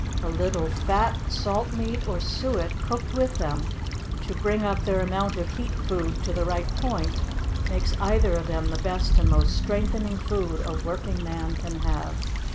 A little fat, salt meat, or suet, cooked with them, to bring up their amount of heat food to the right point, makes either of them the best and most strengthening food a workingman can have.